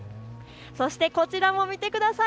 こちらも見てください。